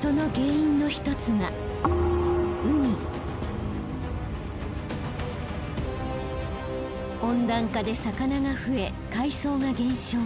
その原因の一つが温暖化で魚が増え海藻が減少。